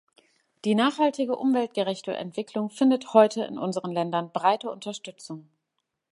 Die nachhaltige, umweltgerechte Entwicklung findet heute in unseren Ländern breite Unterstützung.